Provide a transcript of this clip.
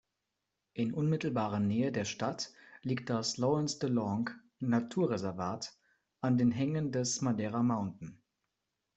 In unmittelbarer Nähe der Stadt liegt das Lawrence-de-Lange-Naturreservat an den Hängen des "Madeira Mountain".